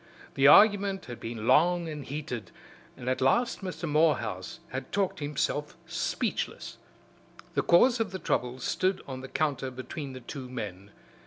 The argument had been long and heated, and at last Mr. Morehouse had talked himself speechless. The cause of the trouble stood on the counter between the two men.